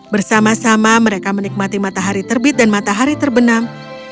bersama sama mereka menikmati matahari terbit dan matahari terbenam